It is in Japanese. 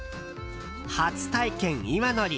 初体験、岩のり。